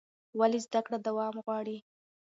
ولې زده کړه دوام غواړي؟